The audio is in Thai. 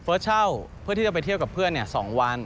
เช่าเพื่อที่จะไปเที่ยวกับเพื่อน๒วัน